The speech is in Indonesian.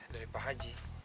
dari pak haji